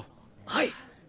はい。